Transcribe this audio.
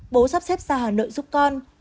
bố sắp xếp ra hà nội giúp con